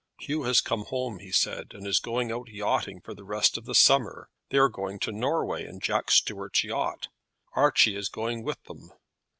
"Hugh has come home," he said, "and is going out yachting for the rest of the summer. They are going to Norway in Jack Stuart's yacht. Archie is going with them."